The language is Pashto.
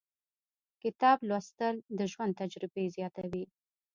• کتاب لوستل، د ژوند تجربې زیاتوي.